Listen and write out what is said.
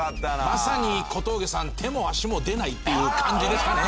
まさに小峠さん手も足も出ないっていう感じですかね。